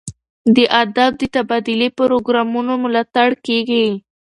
د ادب د تبادلې پروګرامونو ملاتړ کیږي.